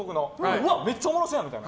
うわ、めっちゃおもろそう！みたいな。